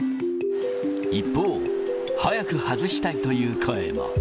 一方、早く外したいという声